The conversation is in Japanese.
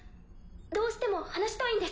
どうしても話したいんです。